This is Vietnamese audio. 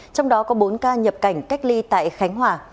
trong đó có bốn ca nhập cảnh cách ly tại khánh hòa